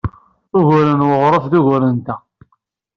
Uguren n uɣref d uguren-nteɣ.